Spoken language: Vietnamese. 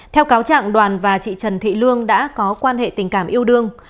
theo cáo trạng đoàn và chị trần thị lương đã có quan hệ tình cảm yêu đương